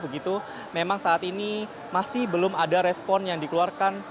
begitu memang saat ini masih belum ada respon yang dikeluarkan